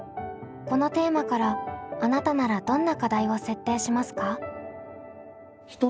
このテーマからあなたならどんな課題を設定しますか？